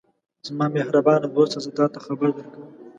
زما مهربانه دوسته! زه تاته خبر درکوم.